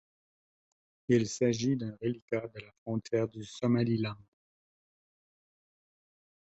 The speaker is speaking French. Il s'agit d'un reliquat de la frontière du Somaliland.